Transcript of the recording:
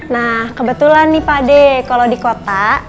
nah kebetulan nih pak ade kalau di kota